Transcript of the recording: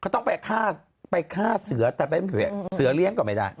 เขาต้องไปฆ่าเสื้อแต่ไปเสื้อเลี้ยงก่อนไปได้